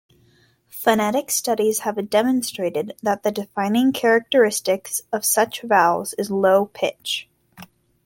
Phonetic studies have demonstrated that the defining characteristic of such vowels is low pitch.